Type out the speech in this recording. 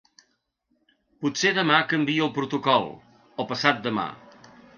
Potser demà canvia el protocol, o passat demà.